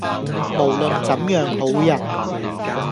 無論怎樣好人，